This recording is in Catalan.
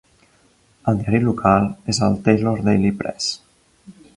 El diari local és el 'Taylor Daily Press'.